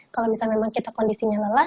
kalau misalnya memang kita kondisinya lelah